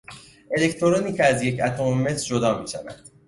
الکترونی که از یک اتم مس جدا میشود